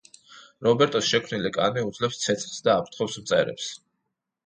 რობერტოს შექმნილი კანი უძლებს ცეცხლს და აფრთხობს მწერებს.